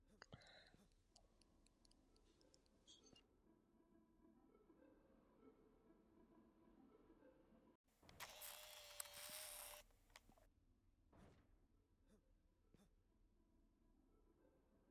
Och kanske självaste greven far förbi och läser plakatet.